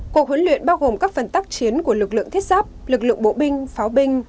cuộc huấn luyện bao gồm các phần tác chiến của lực lượng thiết giáp lực lượng bộ binh pháo binh